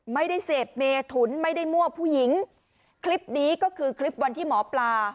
ไม่ได้เสพเมถุนไม่ได้มั่วผู้หญิงคลิปนี้ก็คือคลิปวันที่หมอปลา